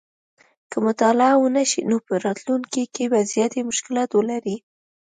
که مطالعه ونه شي نو په راتلونکي کې به زیات مشکلات ولري